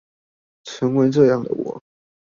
成為這樣的我